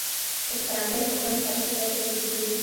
خو په فرانسه کې همدا مسابقې پای ته رسېدلې وې.